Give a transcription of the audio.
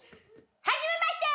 はじめまして！